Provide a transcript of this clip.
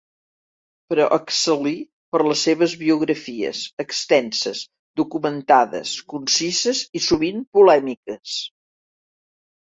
Però excel·lí per les seves biografies, extenses, documentades, concises i sovint polèmiques.